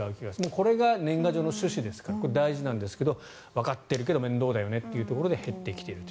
これが年賀状の趣旨ですからこれ、大事なんですけどわかっているけど面倒だよねというところで減ってきていると。